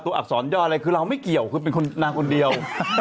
อักษรย่ออะไรคือเราไม่เกี่ยวคือเป็นคนนางคนเดียว